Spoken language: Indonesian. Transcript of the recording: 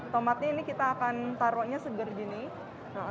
tomatnya ini kita akan taruhnya segar di sini